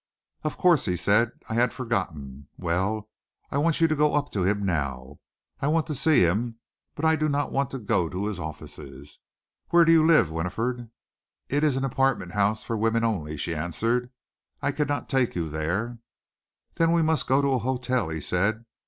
"Of course," he said. "I had forgotten. Well, I want you to go up to him now. I want to see him, but I do not want to go to his offices. Where do you live, Winifred?" "It is an apartment house for women only," she answered. "I cannot take you there." "Then we must go to a hotel," he said.